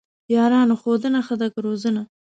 یارانو ! ښوونه ښه ده که روزنه؟!